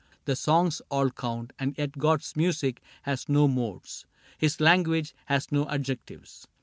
The songs all count ; and yet God's music has No modes, his language has no adjectives."